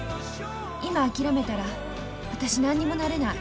今諦めたら私何にもなれない。